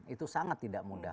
itu sangat tidak mudah